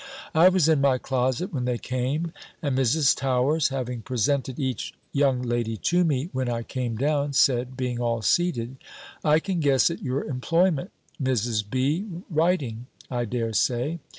I was in my closet when they came; and Mrs. Towers, having presented each young lady to me when I came down, said, being all seated, "I can guess at your employment, Mrs. B. Writing, I dare say?